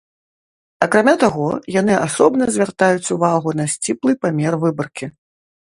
Акрамя таго, яны асобна звяртаюць увагу на сціплы памер выбаркі.